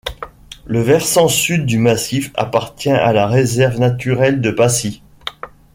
Le versant sud du massif appartient à la réserve naturelle de Passy.